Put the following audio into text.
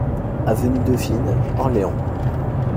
Avenue Dauphine, Orléans